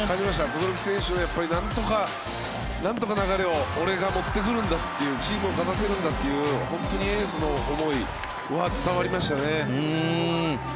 轟選手は、なんとか流れを俺が持ってくるんだっていうチームを勝たせるんだっていう本当にエースの思いは伝わりましたね。